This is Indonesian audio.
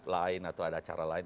lain atau ada cara lain